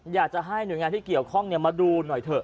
อยากจะให้หน่วยงานที่เกี่ยวข้องมาดูหน่อยเถอะ